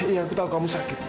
iya aku tahu kamu sakit